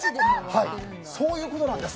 そういうことなんです。